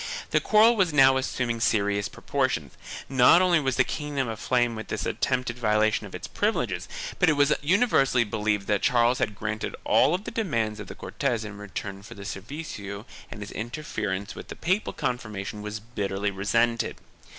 The quarrel was now assuming serious proportions; not only was the kingdom aflame with this attempted violation of its privileges but it was universally believed that Charles had granted all the demands of the Cortes in return for the servicio and his interference with the papal confirmation was bitterly resented.